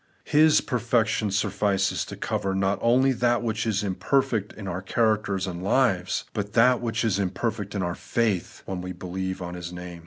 His perfection suflfices to cover not only that which is im perfect in our characters and lives, but that which is imperfect in our faith, when we believe on His name.